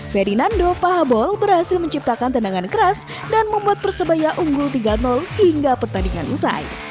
ferdinando pahabol berhasil menciptakan tendangan keras dan membuat persebaya unggul tiga hingga pertandingan usai